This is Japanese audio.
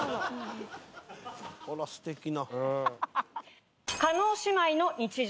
あらすてきな。